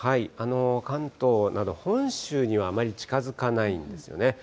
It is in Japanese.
関東など、本州にはあまり近づかないんですよね。